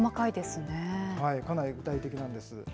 かなり具体的なんです。